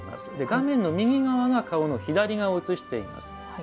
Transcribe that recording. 画面の右側が顔の左側を写しています。